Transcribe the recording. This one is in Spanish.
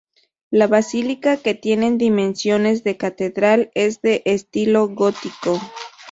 La basílica, que tiene dimensiones de catedral, es de estilo gótico.